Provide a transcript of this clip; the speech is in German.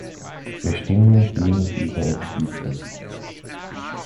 Wir stimmen gegen diese Entschließung.